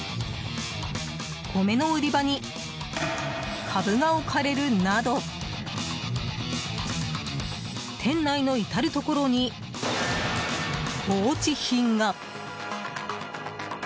米の売り場にカブが置かれるなど店内の至るところに放置品が。